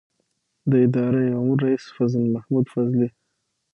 د اداره امور رئیس فضل محمود فضلي